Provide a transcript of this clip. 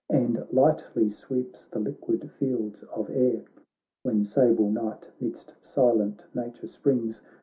And lightly sweeps the liquid fields ofair. When sable night midst silent nature springs.